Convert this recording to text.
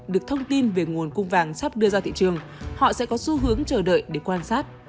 được thông tin về nguồn cung vàng sắp đưa ra thị trường họ sẽ có xu hướng chờ đợi để quan sát